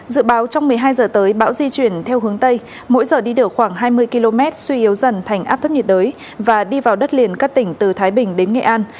dự báo trong một mươi hai h tới bão di chuyển theo hướng tây mỗi giờ đi được khoảng hai mươi km suy yếu dần thành áp thấp nhiệt đới và đi vào đất liền các tỉnh từ thái bình đến nghệ an